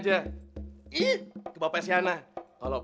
jadi yang ubay yang mana pak